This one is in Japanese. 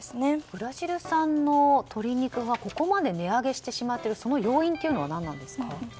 ブラジル産の鶏肉がここまで値上げしてしまっているその要因というのは何なんですか。